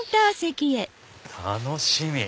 楽しみ！